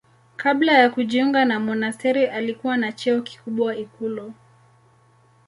Kabla ya kujiunga na monasteri alikuwa na cheo kikubwa ikulu.